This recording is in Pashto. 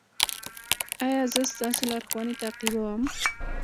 ایا زه ستاسو لارښوونې تعقیبوم؟